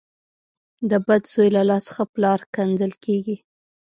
ـ د بد زوی له لاسه ښه پلار کنځل کېږي .